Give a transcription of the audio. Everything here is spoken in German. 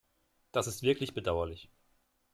Das ist wirklich bedauerlich.